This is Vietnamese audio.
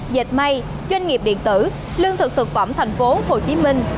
dệt mây doanh nghiệp điện tử lương thực thực phẩm thành phố hồ chí minh